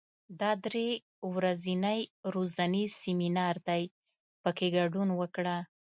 دا درې ورځنی روزنیز سیمینار دی، په کې ګډون وکړه.